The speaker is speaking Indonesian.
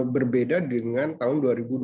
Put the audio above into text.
berbeda dengan tahun dua ribu dua puluh